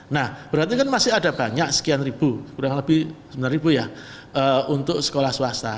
nah berarti kan masih ada banyak sekian ribu kurang lebih sembilan ribu ya untuk sekolah swasta